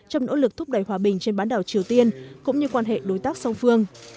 trong nỗ lực thúc đẩy hòa bình trên bán đảo triều tiên cũng như quan hệ đối tác song phương